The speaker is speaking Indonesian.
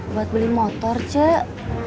buat beli motor cek